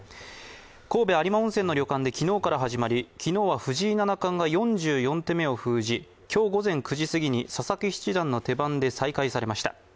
神戸・有馬温泉の旅館で昨日から始まり、昨日は藤井七冠が４４手目を封じ、今日午前９時過ぎに佐々木七段の手番で再開されました。